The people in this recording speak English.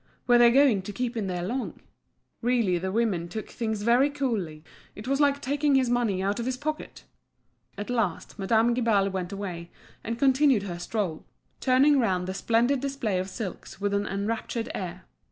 Were they going to keep him there long? Really the women took things very coolly, it was like taking his money out of his pocket. At last Madame Guibal went away and continued her stroll, turning round the splendid display of silks with an enraptured air.